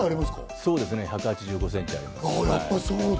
そうですね、１８５センチありますね。